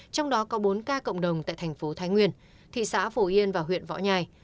trong đó có bốn ca cộng đồng tại thành phố thái nguyên thị xã phổ yên và huyện võ nhai